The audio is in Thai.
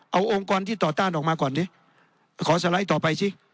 เอาองค์กรที่ต่อต้านออกมาก่อนดิขอสไลด์ต่อไปสิ